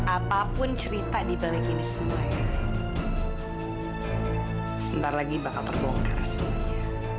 apapun cerita di balik ini semuanya sebentar lagi bakal terbongkar semuanya